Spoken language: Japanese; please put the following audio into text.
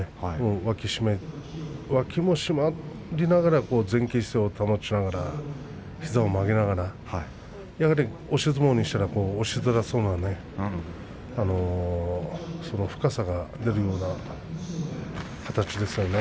脇を締めて脇も締まりながら前傾姿勢を保ちながら膝を曲げながらやはり押し相撲にしたら押しづらそうな深さが出るような形ですよね。